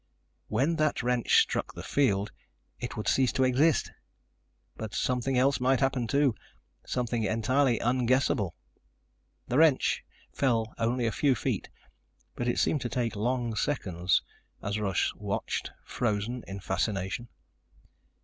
When that wrench struck the field, it would cease to exist! But something else might happen, too, something entirely unguessable. The wrench fell only a few feet, but it seemed to take long seconds as Russ watched, frozen in fascination.